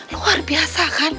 luar biasa kan